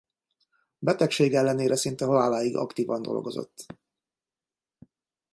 Betegsége ellenére szinte haláláig aktívan dolgozott.